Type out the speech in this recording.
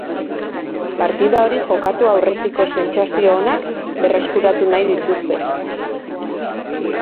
Partida hori jokatu aurretiko sentsazio onak berreskuratu nahi dituzte.